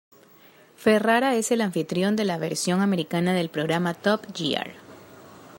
Ferrara es el anfitrión de la versión americana del programa Top Gear.